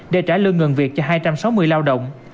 để trả lương ngừng việc cho hai trăm sáu mươi lao động